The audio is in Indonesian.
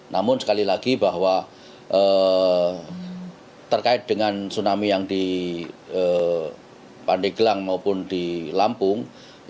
namun sekali lagi bahwa terkait dengan tsunami yang di pandeglang maupun di lampung